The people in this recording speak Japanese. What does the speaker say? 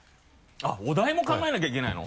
あっお題も考えなきゃいけないの？